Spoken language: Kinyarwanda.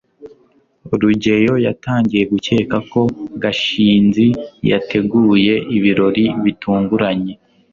rugeyo yatangiye gukeka ko gashinzi yateguye ibirori bitunguranye